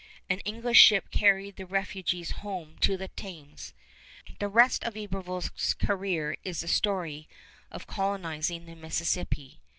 An English ship carried the refugees home to the Thames. The rest of Iberville's career is the story of colonizing the Mississippi.